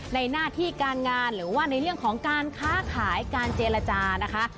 หน้าที่การงานหรือว่าในเรื่องของการค้าขายการเจรจานะคะ